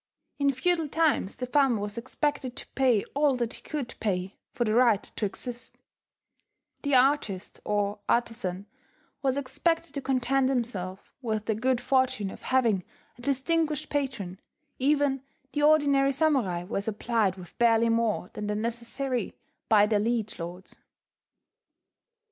In feudal times the farmer was expected to pay all that he could pay for the right to exist; the artist or artizan was expected to content himself with the good fortune of having a distinguished patron; even the ordinary samurai were supplied with barely more than the necessary by their liege lords.